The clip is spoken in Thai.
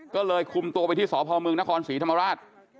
ก็เลยคุมตัวไปที่สพมนครศรีธรรมราช